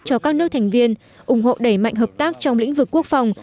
cho các nước thành viên ủng hộ đẩy mạnh hợp tác trong lĩnh vực quốc phòng